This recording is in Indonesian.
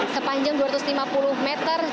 sepanjang dua ratus lima puluh meter